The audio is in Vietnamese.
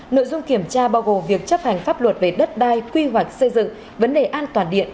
nội dung kiểm tra bao gồm việc chấp hành pháp luật về đất đai quy hoạch xây dựng vấn đề an toàn điện